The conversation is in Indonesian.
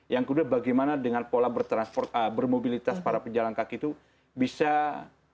yang kedua bagaimana dengan pola bermobilitas para pejalan kaki itu bisa